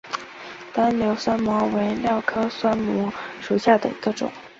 单瘤酸模为蓼科酸模属下的一个种。